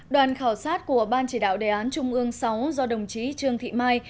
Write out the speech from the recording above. đoàn khảo sát của ban chỉ đạo đề án trung ương sáu do đồng chí trương thị mai